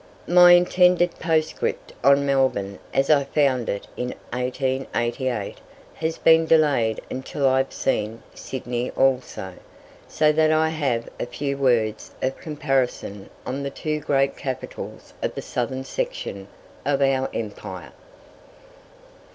My intended postscript on Melbourne as I found it in 1888 has been delayed until I have seen Sydney also, so that I have a few words of comparison on the two great capitals of the southern section of our empire.